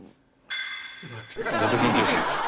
「また緊張してる」